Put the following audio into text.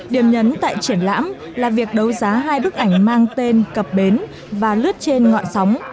điểm nhấn tại triển lãm là việc đấu giá hai bức ảnh mang tên cập bến và lướt trên ngọn sóng